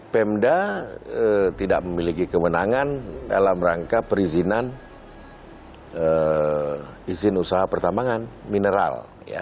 pemda tidak memiliki kewenangan dalam rangka perizinan izin usaha pertambangan mineral